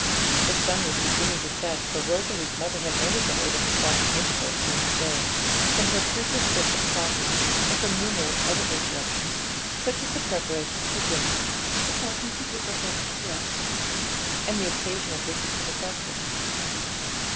The sun was beginning to set, for Rosalie's mother had only been able to talk at intervals during the day, from her frequent fits of coughing, and from numerous other interruptions, such as the preparations for dinner, the halting to give the horses rest, and the occasional visits of Augustus.